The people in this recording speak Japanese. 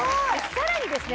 さらにですね